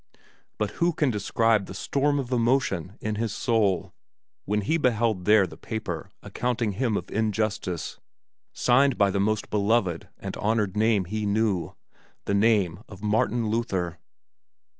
But who can describe the storm of emotion in his soul when he beheld there the paper accusing him of injustice, signed by the most beloved and honored name he knew the name of Martin Luther!